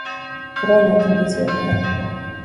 Wao ni wakimbizi hodari